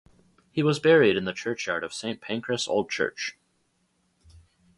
He was buried in the churchyard of Saint Pancras Old Church.